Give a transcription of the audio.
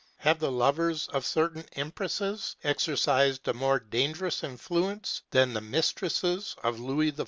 Have the lovers of certain empresses exercised a more dangerous influence than the mistresses of Louis XIV.